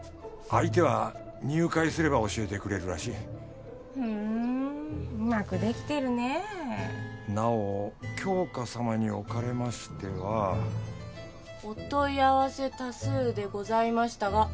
相手は入会すれば教えてくれるらしいふんうまくできてるね「尚杏花様におかれましては」「お問い合わせ多数でございましたが」